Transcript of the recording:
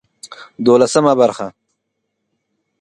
دولسمه برخه